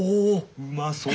うまそう。